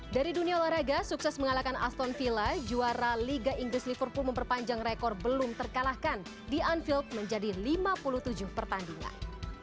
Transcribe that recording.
dari dunia olahraga sukses mengalahkan aston villa juara liga inggris liverpool memperpanjang rekor belum terkalahkan di anfield menjadi lima puluh tujuh pertandingan